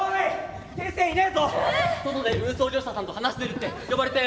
外で運送業者さんと話してるって。